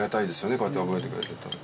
こうやって覚えてくれてるとね